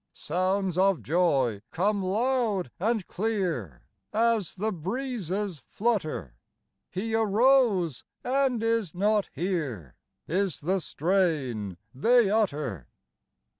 Sounds of joy come loud and clear As the breezes flutter :" He arose, and is not here," Is the strain they utter.